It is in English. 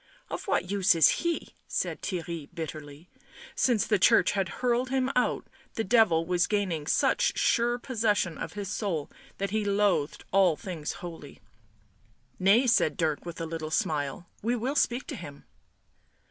" Gf what use he!" said Theirry bitterly ; since the Church had hurled him out the Devil was gaining such sure possession of his soul that he loathed all things holy. "Nay," said Dirk, with a little smile. "We will speak to him."